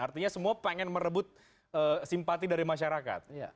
artinya semua pengen merebut simpati dari masyarakat